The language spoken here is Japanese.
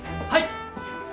はい。